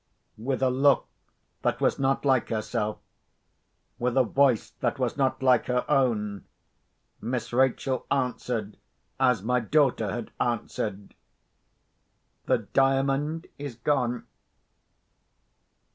With a look that was not like herself, with a voice that was not like her own, Miss Rachel answered as my daughter had answered: "The Diamond is gone!"